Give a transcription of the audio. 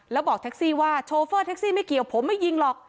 แล้วบอกแท็กซี่ว่าโชเฟอร์แท็กซี่ไม่เกี่ยวผมไม่ยิงหรอก